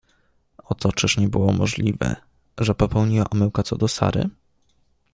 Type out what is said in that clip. Oto czyż nie było możliwe, że popełniła omyłkę co do Sary?